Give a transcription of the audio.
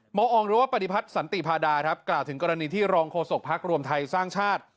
หมออองรู้ว่าปฏิพัฒน์สันติพาดากล่าวถึงกรณีที่รองโคศกพรรครวมไทยสร้างชาติ